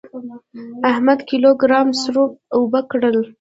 احمد کيلو ګرام سروپ اوبه کړل.